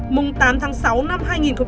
mùng tám tháng sáu năm hai nghìn một mươi tám